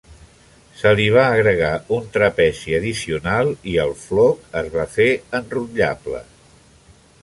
Se li va agregar un trapezi addicional, i el floc es va fer enrotllable.